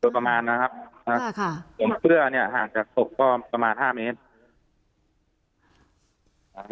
ประมาณนะครับเสื้อเนี่ยห่างจากศพก็ประมาณ๕เมตร